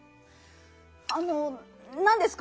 あのなんですか？